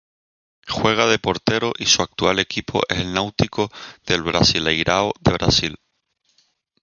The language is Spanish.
Juega de portero y su actual equipo es el Náutico del Brasileirao de Brasil.